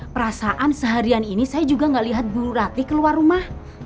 perasaan seharian ini saya juga gak lihat bu rati keluar rumah